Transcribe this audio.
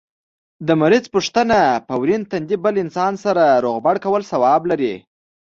د مریض پوښتنه په ورين تندي بل انسان سره روغبړ کول ثواب لري